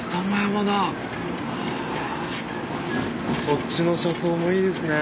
こっちの車窓もいいですね。